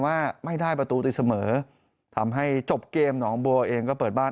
ว่าไม่ได้ประตูตีเสมอทำให้จบเกมหนองบัวเองก็เปิดบ้าน